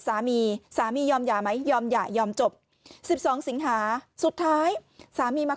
สามีสามียอมหย่าไหมยอมหย่ายอมจบ๑๒สิงหาสุดท้ายสามีมา